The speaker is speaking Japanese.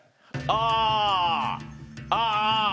ああああ